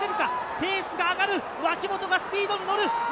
ペースが上がる、脇本がスピードに乗る！